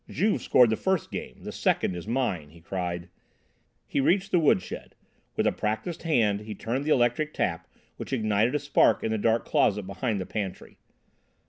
"Juve scored the first game, the second is mine," he cried. He reached the woodshed. With a practised hand he turned the electric tap which ignited a spark in the dark closet behind the pantry.